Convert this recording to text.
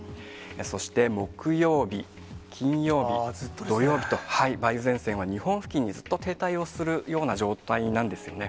そして木曜日、金曜日、土曜日と、梅雨前線は日本付近にずっと停滞をするような状態なんですよね。